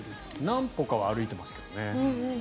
何歩かは歩いてますけどね。